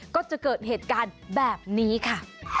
ก็จะเกิดเหตุการณ์แบบนี้ค่ะ